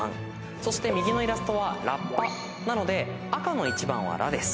そして右のイラストはラッパなので赤の１番は「ラ」です。